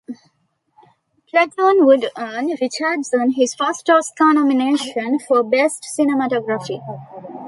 "Platoon" would earn Richardson his first Oscar nomination for Best Cinematography.